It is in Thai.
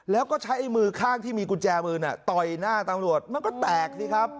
แล้วก็ใช้มือข้างที่มีกุญแจมือต่อยหน้าตำรวจมันก็แตกสิครับ